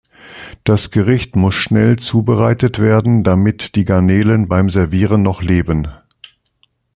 Das Gericht muss schnell zubereitet werden, damit die Garnelen beim Servieren noch leben.